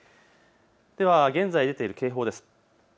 では現在、出ている警報です。